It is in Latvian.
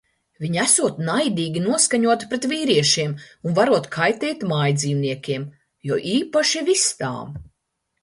Viņa esot naidīgi noskaņota pret vīriešiem un varot kaitēt mājdzīvniekiem, jo īpaši vistām.